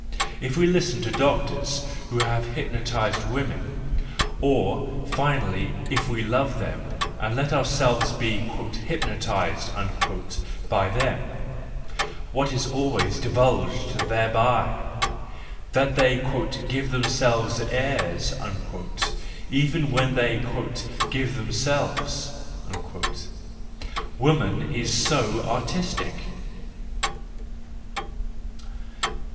If we listen to doctors who have hypnotised women, or, finally, if we love them— and let ourselves be " hypnotised " by them,—what is always divulged thereby? That they "give themselves airs," even when they—"give them¬ selves.. .. Woman is so artistic